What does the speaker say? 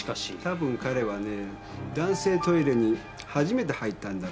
たぶん彼はね男性トイレに初めて入ったんだろうね。